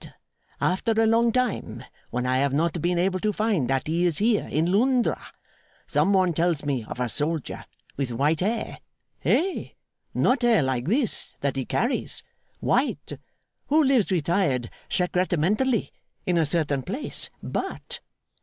After a long time when I have not been able to find that he is here in Londra, some one tells me of a soldier with white hair hey? not hair like this that he carries white who lives retired secrettementally, in a certain place. But!